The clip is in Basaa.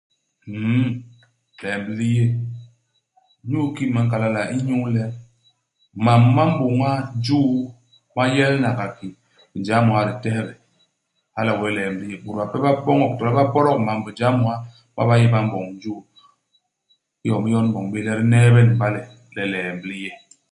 Nn, liemb li yé. Inyu kii me nkal hala ? Inyu le mam ma m'bôña juu, ma yélnaga ki binjahmunha di tehge. Hala wee liemb li yé. Bôt bape ba boñok to le ba podok mam binjahmunha, ma ba yé ba m'boñ juu. Iyom i yon i m'boñ bés le di neebe ni mbale le liemb li yé.